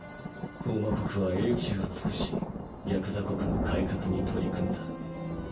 ホウマ国は英知を尽くしギャクザ国の改革に取り組んだ。